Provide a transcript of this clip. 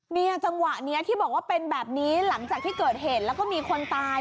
เนี่ยจังหวะนี้ที่บอกว่าเป็นแบบนี้หลังจากที่เกิดเหตุแล้วก็มีคนตาย